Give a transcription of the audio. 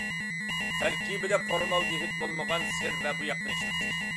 تەركىبىدە فورمالدېھىد بولمىغان سىر ۋە بوياقنى ئىشلىتىش.